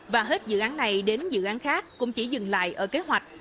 và hết dự án này đến dự án khác cũng chỉ dừng lại ở kế hoạch